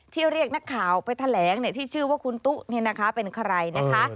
เรียกนักข่าวไปแถลงที่ชื่อว่าคุณตุ๊เป็นใครนะคะ